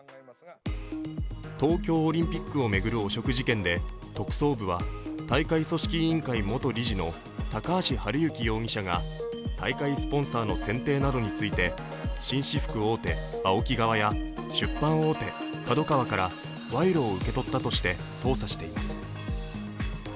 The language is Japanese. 東京オリンピックを巡る汚職事件で特捜部は大会組織委員会元理事の高橋治之容疑者が大会スポンサーの選定などについて、紳士服大手、ＡＯＫＩ側や出版大手・ＫＡＤＯＫＡＷＡから賄賂を受け取ったとして捜査しています。